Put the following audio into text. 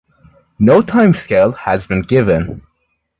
No timescale has been given.